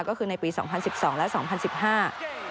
ก็คือในปีสองพันสิบสองและสองพันสิบห้า